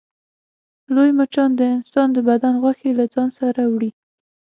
لوی مچان د انسان د بدن غوښې له ځان سره وړي